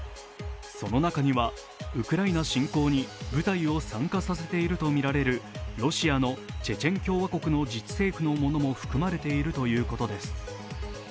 その中にはウクライナ侵攻に部隊を参加させているとみられるロシアのチェチェン共和国の自治政府のものも含まれているということです。